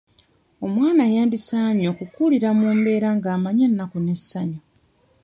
Omwana yandisaanye okukulira mu mbeera ng'amanyi ennaku n'essanyu.